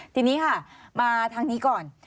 ทีนี้ค่ะมาทางนี้ก่อน